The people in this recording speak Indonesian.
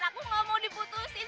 aku gak mau diputusin